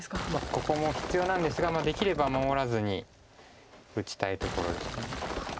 ここも必要なんですができれば守らずに打ちたいところです。